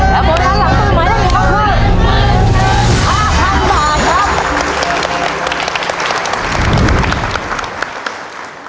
๕๐๐๐บาทครับ